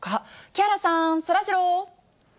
木原さん、そらジロー。